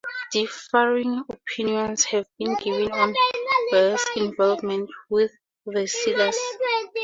Differing opinions have been given on Walyer's involvement with the sealers.